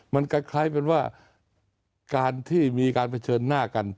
มันคล้ายเป็นว่าการที่มีการเผชิญหน้ากัน